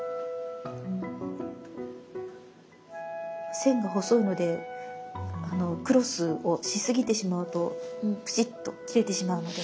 線が細いのでクロスをしすぎてしまうとぷちっと切れてしまうので。